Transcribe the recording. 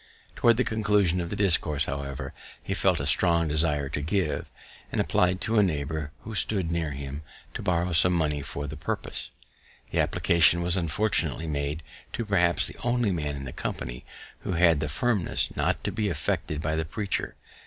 Towards the conclusion of the discourse, however, he felt a strong desire to give, and apply'd to a neighbour who stood near him, to borrow some money for the purpose. The application was unfortunately [made] to perhaps the only man in the company who had the firmness not to be affected by the preacher.